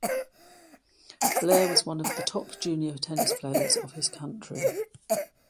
Blair was one of the top junior tennis players of his country.